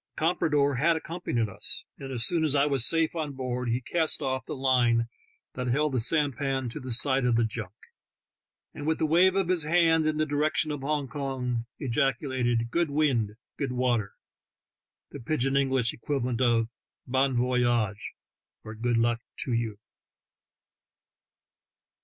The comprador had accompanied us, and as soon as I was safe on board he cast off the line that held the sampan to the side of the junk, and with the wave of his hand in the direction of Hong Kong, ejaculated, "Good wind! good water!" — the pidj in English equivalent of "Bon voyage I'' or "Good luck to you!